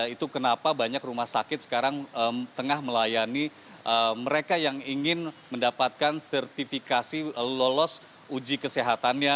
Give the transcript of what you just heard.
itu kenapa banyak rumah sakit sekarang tengah melayani mereka yang ingin mendapatkan sertifikasi lolos uji kesehatannya